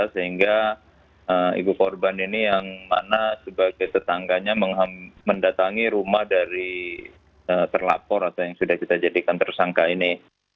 sehingga ibu korban ini yang mana sebagai tetangganya mendatangi rumah dari terlapor atau yang sudah kita jadikan tersangka ini